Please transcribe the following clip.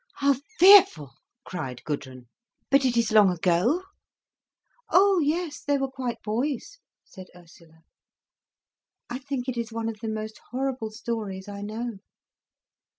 "How fearful!" cried Gudrun. "But it is long ago?" "Oh yes, they were quite boys," said Ursula. "I think it is one of the most horrible stories I know."